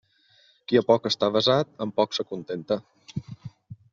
Qui a poc està avesat, amb poc s'acontenta.